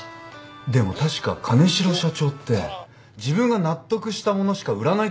でも確か金城社長って自分が納得した物しか売らないってことで有名ですよね。